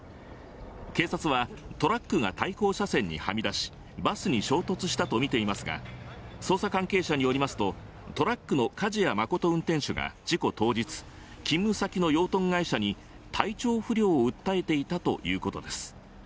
警察はトラックが対向車線にはみ出し、バスに衝突したとみていますが捜査関係者によりますと、トラックの梶谷誠運転手が事故当日、勤務先の養豚会社に体調不良を訴えていたということです。